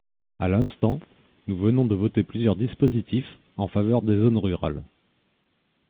À l’instant, nous venons de voter plusieurs dispositifs en faveur des zones rurales.